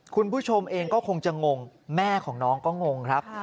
คุณผู้ชมเองก็คงจะงงแม่ของน้องก็งงครับ